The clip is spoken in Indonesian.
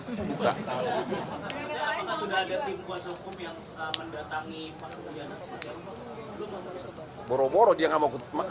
apakah sudah ada tim kuasa hukum yang mendatangi pak rudi yang masih jauh